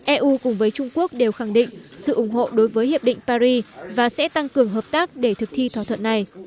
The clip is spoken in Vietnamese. eu cùng với trung quốc đều khẳng định sự ủng hộ đối với hiệp định paris và sẽ tăng cường hợp tác để thực thi thỏa thuận này